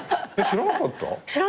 知らなかった！